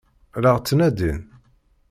La ɣ-ttnadin?